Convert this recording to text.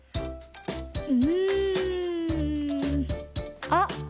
うん。あっ！